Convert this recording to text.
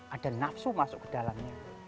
ada nafsu masuk ke dalamnya